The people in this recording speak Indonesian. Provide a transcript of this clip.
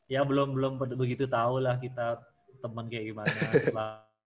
ya belum begitu tau lah kita temen kayak gimana